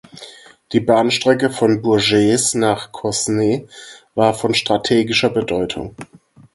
Die Bahnstrecke von Bourges nach Cosne war von strategischer Bedeutung.